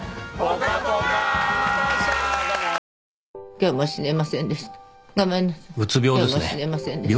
今日も死ねませんでした。